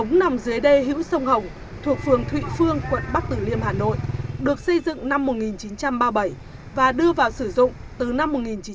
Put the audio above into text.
nơi hữu sông hồng thuộc phường thụy phương quận bắc tử liêm hà nội được xây dựng năm một nghìn chín trăm ba mươi bảy và đưa vào sử dụng từ năm một nghìn chín trăm bốn mươi một